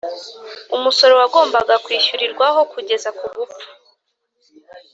umusoro wagombaga kwishyurirwaho kugeza ku gupfa